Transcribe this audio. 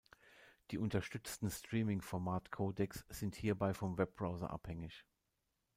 Die unterstützten Streaming-Format Codecs sind hierbei vom Webbrowser abhängig.